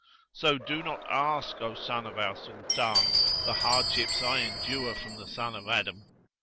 So do not ask, O son of our Sultan, the hardships I endure from the son of Adam.